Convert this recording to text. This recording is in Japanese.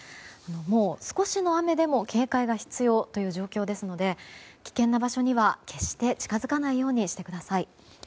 もう、少しの雨でも警戒が必要という状況ですので危険な場所には、決して近づかないようにしてください。